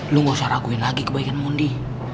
lo gak usah raguin lagi kebaikan mondi